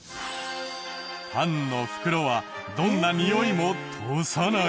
パンの袋はどんなにおいも通さない？